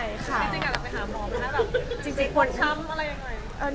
จริงอาจจะไปหาหมอมันน่ะว่าช้ำอะไรยังไง